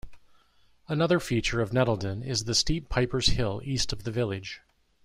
Another feature of Nettleden is the steep Pipers Hill east of the village.